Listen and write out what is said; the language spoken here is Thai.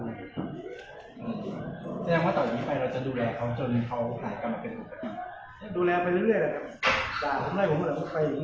ไหนตอนนี้เราจะดูแลเขาจนเขามันหายกันมากที่จบ